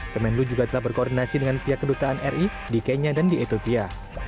kemenlu juga telah berkoordinasi dengan pihak kedutaan ri di kenya dan di etopia